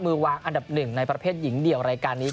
มือวางอันดับหนึ่งในประเภทหญิงเดี่ยวรายการนี้